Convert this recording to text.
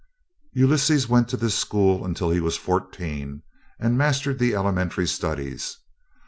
Ulysses went to this school until he was fourteen, and mastered the elementary studies.